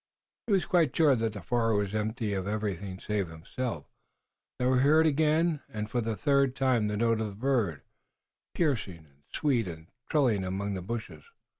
He was quite sure that the forest was empty of everything save themselves, though he heard again and for the third time the note of the bird, piercing and sweet, trilling among the bushes.